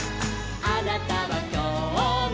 「あなたはきょうも」